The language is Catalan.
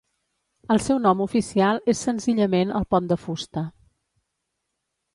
El seu nom oficial és senzillament el pont de fusta.